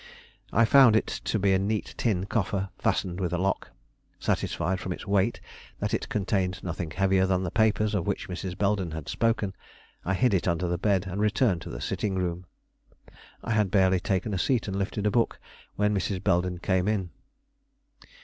I found it to be a neat tin coffer, fastened with a lock. Satisfied from its weight that it contained nothing heavier than the papers of which Mrs. Belden had spoken, I hid it under the bed and returned to the sitting room. I had barely taken a seat and lifted a book when Mrs. Belden came in.